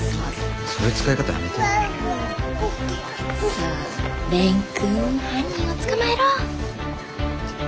さあ蓮くん犯人を捕まえろ！